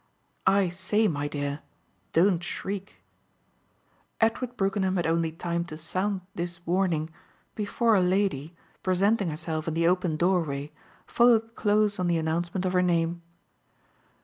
"I say, my dear, don't shriek!" Edward Brookenham had only time to sound this warning before a lady, presenting herself in the open doorway, followed close on the announcement of her name.